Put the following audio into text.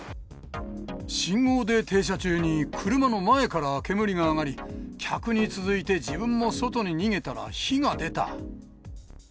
信号で停車中に車の前から煙が上がり、客に続いて自分も外に逃げたら火が出た。